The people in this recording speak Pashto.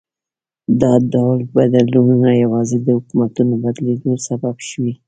دا ډول بدلونونه یوازې د حکومتونو بدلېدو سبب شوي.